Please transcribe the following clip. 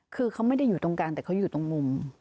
คือเขาไม่ได้อยู่ตรงกันแต่เขาอยู่ตรงมุม